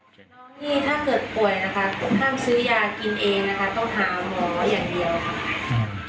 คือน้องนี่ถ้าเกิดป่วยนะคะห้ามซื้อยากินเองนะคะต้องหาหมออย่างเดียวค่ะ